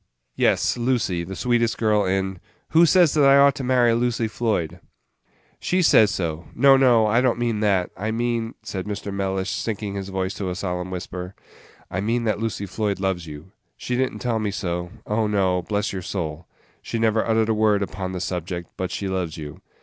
"Yes, Lucy; the sweetest girl in " "Who says that I ought to marry Lucy Floyd?" "She says so no, no, I don't mean that; I mean," said Mr. Mellish, sinking his voice to a solemn whisper, "I mean that Lucy Floyd loves you! She did n't tell me so oh, no, bless your soul! she never uttered a word upon the subject; but she loves you.